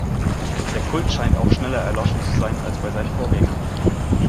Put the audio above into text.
Der Kult scheint auch schneller erloschen zu sein als bei seinen Vorgängern.